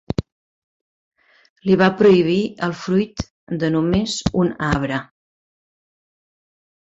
Li va prohibir el fruit de només un arbre.